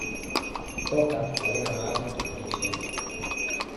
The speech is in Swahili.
Soka halina maana katika maisha yetu